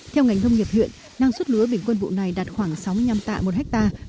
theo ngành nông nghiệp huyện năng suất lúa bình quân vụ này đạt khoảng sáu mươi năm tạ một hectare